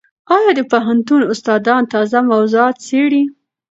ایا د پوهنتون استادان تازه موضوعات څېړي؟